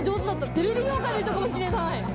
テレビ業界の人かもしれない。